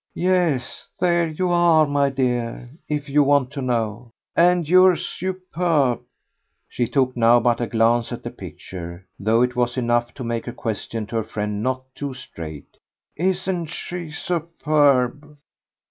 "Yes, there you are, my dear, if you want to know. And you're superb." She took now but a glance at the picture, though it was enough to make her question to her friends not too straight. "Isn't she superb?"